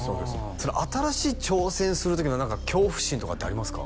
新しい挑戦する時の恐怖心とかってありますか？